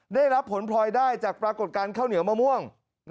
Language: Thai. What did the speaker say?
ได้รับผลพลอยได้จากปรากฏการณ์ข้าวเหนียวมะม่วง